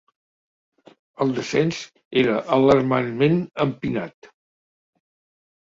El descens era alarmantment empinat.